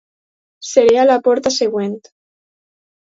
Seré a la porta següent.